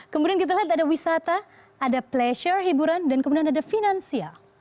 kemudian kita lihat ada wisata ada pleasure hiburan dan kemudian ada finansial